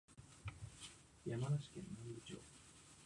山梨県南部町